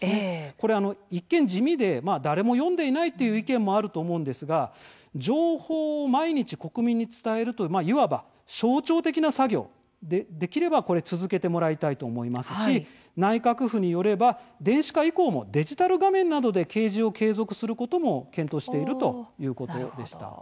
これ一見、地味で誰も読んでいないという意見もあると思うんですが情報を毎日、国民に伝えるといういわば象徴的な作業できれば、これは続けてほしいと思いますし、内閣府によれば電子化以降もデジタル画面などで掲示を継続することも検討しているということです。